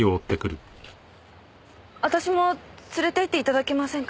私も連れていって頂けませんか？